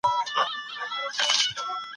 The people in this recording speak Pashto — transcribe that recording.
د الهي احکامو تطبیق د هر مسلمان دنده ده.